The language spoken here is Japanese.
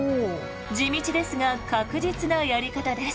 地道ですが確実なやり方です。